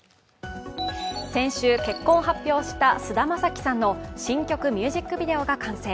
先週、結婚を発表した菅田将暉さんの新曲ミュージックビデオが完成。